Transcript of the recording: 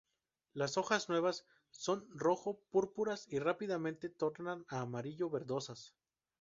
Las hojas nuevas son rojo púrpuras, y rápidamente tornan a amarillo verdosas.